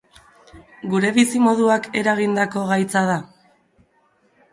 Gure bizimoduak eragindako gaitza da?